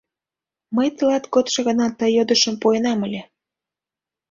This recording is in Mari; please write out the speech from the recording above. Мый тылат кодшо гана ты йодышым пуэнам ыле.